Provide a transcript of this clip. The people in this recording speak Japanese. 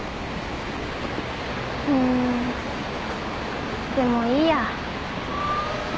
うーんでもいいや。